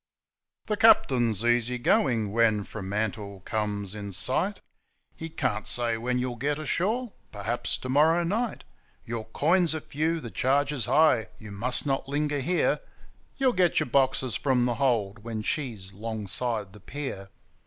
The captain's easy going when Fremantle comes in sight; He can't say when you'll get ashore 'perhaps to morrow night;' Your coins are few, the charges high; you must not linger here You'll get your boxes from the hold 'when she's 'longside the pier.